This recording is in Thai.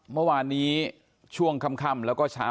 เมื่อวานนี้ช่วงค่ำแล้วก็เช้า